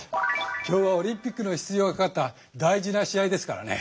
今日はオリンピックの出場がかかった大事な試合ですからね。